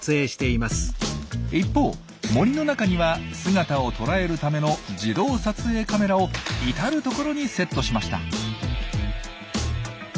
一方森の中には姿を捉えるための自動撮影カメラを至る所にセットしました。